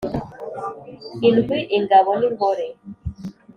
Indwi ingabo n ingore